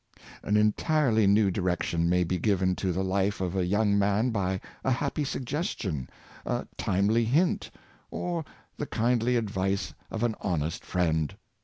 *" An entirely new direction may be given to the life of a young man by a happy suggestion, a timely hint, or the kindly advice of an honest friend.